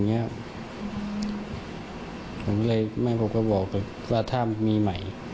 ผมก็เลยบอกว่าถ้ามีใหม่